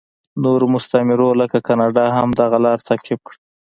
نورو مستعمرو لکه کاناډا هم دغه لار تعقیب کړه.